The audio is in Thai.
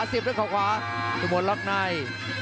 ขวาเสียบด้วยเขาขวาทุกมนต์ล๊อคใน